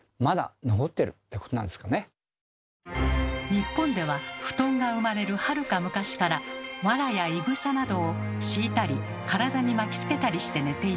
日本では布団が生まれるはるか昔からわらやイグサなどを敷いたり体に巻きつけたりして寝ていました。